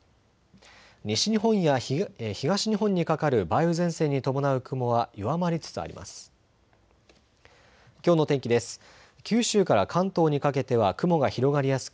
西日本や東日本にかかる梅雨前線に伴う雲は弱まりつつあります。